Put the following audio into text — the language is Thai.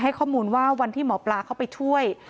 ข้อมูลว่าวันที่หมอปลาเข้าไปช่วย